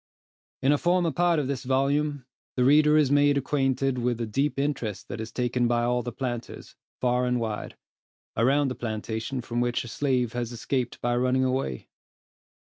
In a former part of this volume, the reader is made acquainted with the deep interest that is taken by all the planters, far and wide, around the plantation from which a slave has escaped by running away.